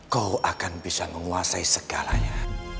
kau akan bisa menguasai segalanya